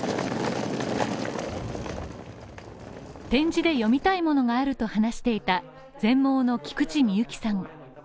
点字で読みたいものがあると話していた全盲の菊地美由紀さん